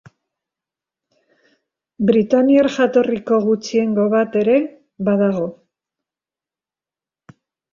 Britainiar jatorriko gutxiengo bat ere badago.